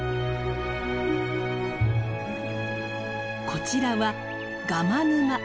こちらはガマ沼。